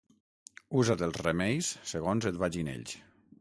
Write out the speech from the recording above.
Usa dels remeis segons et vagin ells.